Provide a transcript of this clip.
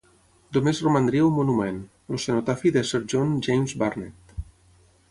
Només romandria un monument: el cenotafi de Sir John James Burnet.